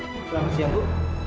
selamat siang bu